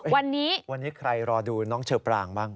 วันนี้ใครรอดูน้องเชอปรางบ้าง